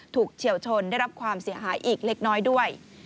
เฉียวชนได้รับความเสียหายอีกเล็กน้อยด้วย